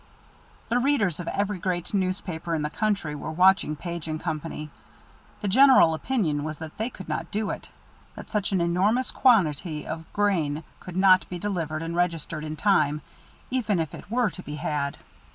The readers of every great newspaper in the country were watching Page & Company. The general opinion was that they could not do it, that such an enormous quantity of grain could not be delivered and registered in time, even if it were to be had.